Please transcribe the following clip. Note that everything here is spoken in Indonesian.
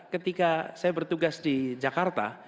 ketika saya bertugas di jakarta